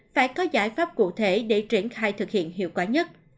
phải có giải pháp cụ thể để triển khai thực hiện hiệu quả nhất